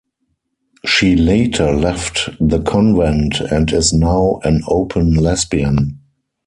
She later left the convent and is now an open lesbian.